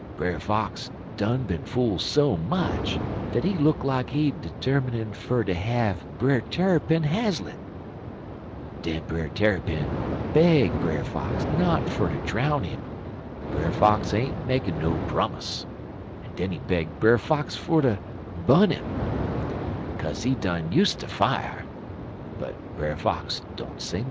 Brer Fox done been fool so much dat he look like he termin' fer ter have Brer Tarrypin haslett. Den Brer Tarrypin beg Brer Fox not fer ter drown 'im, but Brer Fox ain't makin' no prommus, en den he beg Brer Fox fer ter bu'n' 'im, kase he done useter fier, but Brer Fox don't say nuthin'.